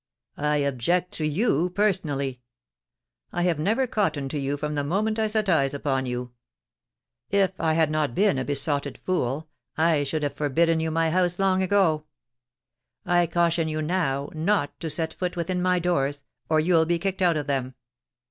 I object to you personally. I have never cottoned to you from the moment I set eyes upon you. If I had not been a besotted fool, I should have forbidden you my house long ago. I caution you now not to set foot within my doors, or you'll be kicked out of them.